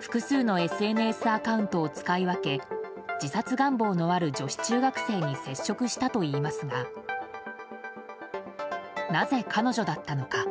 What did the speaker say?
複数のＳＮＳアカウントを使い分け自殺願望のある女子中学生に接触したといいますがなぜ、彼女だったのか。